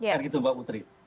kan gitu mbak putri